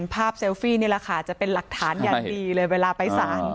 เซลฟี่นี่แหละค่ะจะเป็นหลักฐานอย่างดีเลยเวลาไปสาร